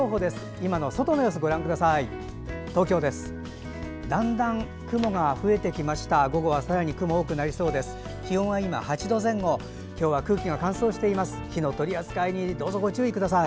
今の外の様子、ご覧ください。